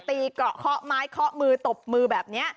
การตีเกราะข้อไม้ข้อมือตบมือแบบนี้